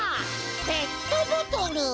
ペットボトル！